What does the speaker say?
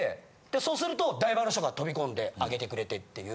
そうするとダイバーの人が飛び込んで上げてくれてっていう。